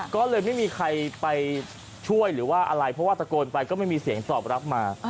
ก็เลยไม่มีใครไปช่วยหรือว่าอะไรเพราะว่าตะโกนไปก็ไม่มีเสียงตอบรับมา